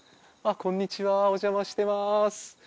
こんにちはおじゃましてます。